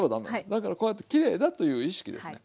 だからこうやってきれいだという意識ですね。